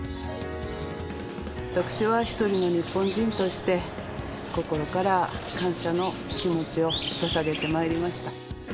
私は一人の日本人として、心から感謝の気持ちをささげてまいりました。